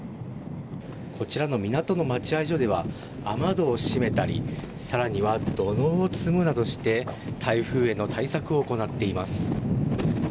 こちらの港の待合所では雨戸を閉めたりさらには、土のうを積むなどして台風への対策を行っています。